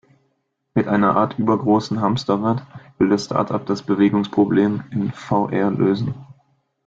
Mit einer Art übergroßem Hamsterrad, will das Startup das Bewegungsproblem in VR lösen.